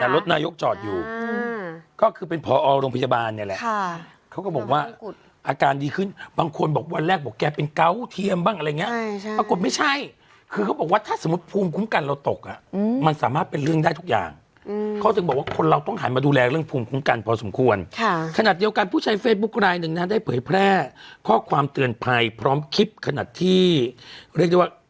รถหน้ายกจอดอยู่ก็คือเป็นพอโรงพยาบาลเนี่ยแหละเขาก็บอกว่าอาการดีขึ้นบางคนบอกวันแรกบอกแกเป็นเก๋าเทียมบ้างอะไรเงี้ยปรากฏไม่ใช่คือเขาบอกว่าถ้าสมมติภูมิคุ้มกันเราตกอ่ะมันสามารถเป็นเรื่องได้ทุกอย่างเขาจะบอกว่าคนเราต้องหันมาดูแลเรื่องภูมิคุ้มกันพอสมควรขนาดเดียวกันผู้ชายเฟซบุ